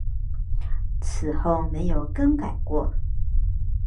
此后没有更改过。